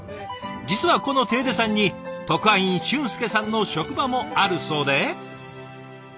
実はこのテイデ山に特派員俊介さんの職場もあるそうで。